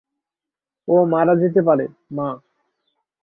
ও মারা যেতে পারে, মা।